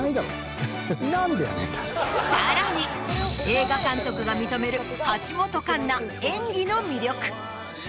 さらに映画監督が認める橋本環奈演技の魅力。